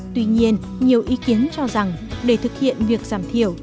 tuy nhiên nhiều ý kiến cho rằng để thực hiện việc giảm thiểu